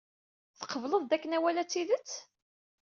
Tqebled dakken awal-a d tidet?